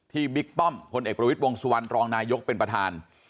ที่บิ๊กป้อมคนเอกบริวิตวงศ์สุวรรณรองนายยกเป็นประธาน